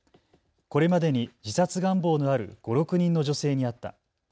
これまでに自殺願望のある５、６人の女性に会った。